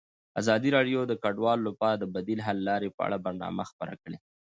ازادي راډیو د کډوال لپاره د بدیل حل لارې په اړه برنامه خپاره کړې.